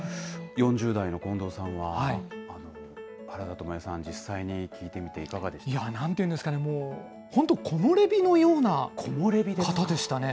４０代の近藤さんは、原田知世さん、実際に見てみて、いかがでしなんていうんですかね、もう、本当、木漏れ日のような方でしたね。